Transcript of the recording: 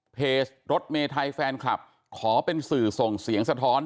เพจรถเมไทยแฟนคลับขอเป็นสื่อส่งเสียงสะท้อน